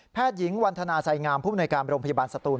แพทย์หญิงวันธนาสัยงามผู้บริการโรงพยาบาลสตูน